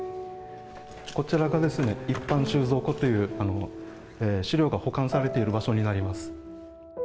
こちらが一般収蔵庫という、資料が保管されている場所になります。